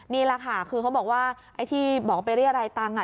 นี่แหละค่ะคือเขาบอกว่าไอ้ที่บอกไปเรียกอะไรตังค์อ่ะ